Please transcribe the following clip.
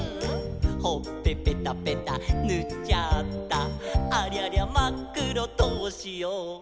「ほっぺぺたぺたぬっちゃった」「ありゃりゃまっくろどうしよー！？」